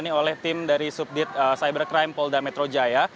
ini oleh tim dari subdit cybercrime polda metro jaya